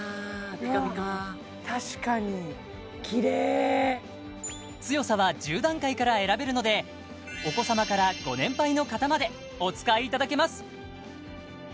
ぴかぴか確かにきれい強さは１０段階から選べるのでお子様からご年配の方までお使いいただけます